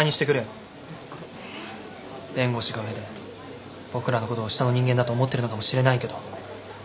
弁護士が上で僕らのことを下の人間だと思ってるのかもしれないけど。